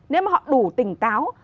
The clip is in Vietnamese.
nếu mà họ đủ tỉnh táo